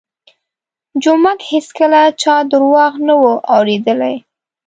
جومک هېڅکله چا درواغ نه وو اورېدلي.